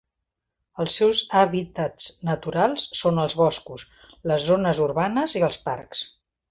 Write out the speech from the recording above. Els seus hàbitats naturals són els boscos, les zones urbanes i els parcs.